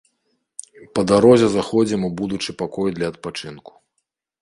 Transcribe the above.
Па дарозе заходзім у будучы пакой для адпачынку.